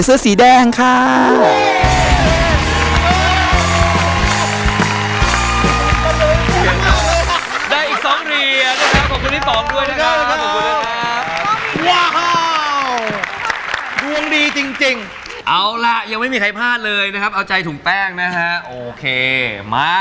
สีเขียวไม่น่าใช่สีฟ้าสีตามาก